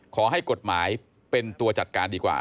ขอให้กฎหมายเป็นตัวจัดการดีกว่า